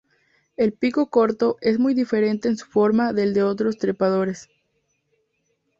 El pico corto es muy diferente en su forma del de otros trepadores.